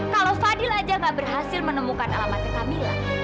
kalau fadil aja gak berhasil menemukan alamatnya camilla